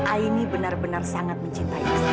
aini benar benar sangat mencintai